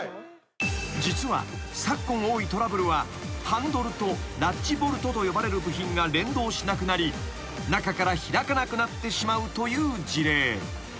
［実は昨今多いトラブルはハンドルとラッチボルトと呼ばれる部品が連動しなくなり中から開かなくなってしまうという事例］